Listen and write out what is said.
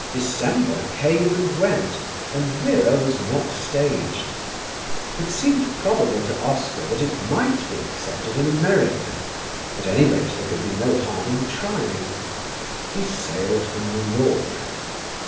December came and went and Vera was not staged. It seemed probable to Oscar that it might be accepted in America; at any rate, there could be no harm in trying: he sailed for New York.